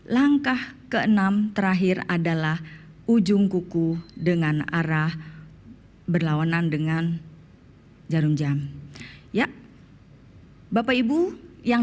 langkah ke enam terakhir adalah ujung kuku dengan arah berlawanan dengan jarum jam ya bapak ibu yang